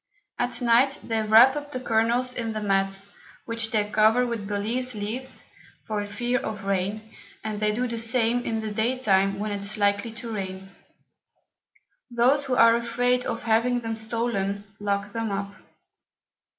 At Night they wrap up the Kernels in the Mats, which they cover with Balize Leaves for fear of Rain, and they do the same in the day time when it is likely to rain. Those who are afraid of having them stolen, lock them up.